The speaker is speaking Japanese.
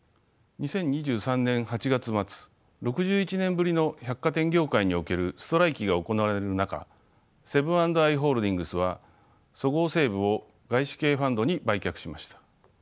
２０２３年８月末６１年ぶりの百貨店業界におけるストライキが行われる中セブン＆アイ・ホールディングスはそごう・西武を外資系ファンドに売却しました。